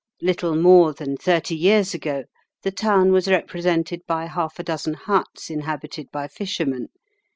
Little more than thirty years ago the town was represented by half a dozen huts inhabited by fishermen.